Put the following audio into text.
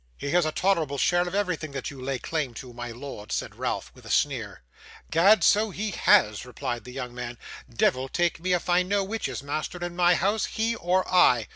'He has a tolerable share of everything that you lay claim to, my lord,' said Ralph with a sneer. ''Gad, so he has,' replied the young man; 'deyvle take me if I know which is master in my house, he or I.